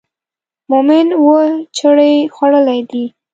مومن اووه چړې خوړلې دي.